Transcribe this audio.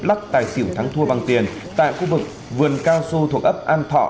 lắc tài xỉu thắng thua bằng tiền tại khu vực vườn cao su thuộc ấp an thọ